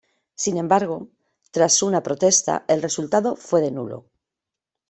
Sin embargo, tras una protesta el resultado fue de nulo.